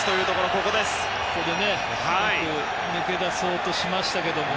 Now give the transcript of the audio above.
あそこで抜け出そうとしましたがね。